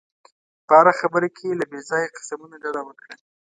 په هره خبره کې له بې ځایه قسمونو ډډه وکړه.